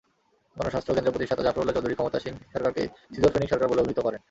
গণস্বাস্থ্য কেন্দ্রের প্রতিষ্ঠাতা জাফরুল্লাহ চৌধুরী ক্ষমতাসীন সরকারকে সিজোফ্রেনিক সরকার বলে অভিহিত করেন।